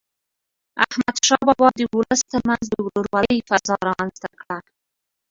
احمدشاه بابا د ولس تر منځ د ورورولی فضا رامنځته کړه.